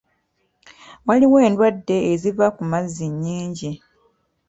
Waliwo endwadde eziva ku mazzi nnyingi.